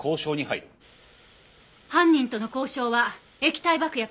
犯人との交渉は液体爆薬